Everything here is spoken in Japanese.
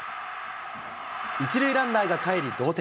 １塁ランナーがかえり同点。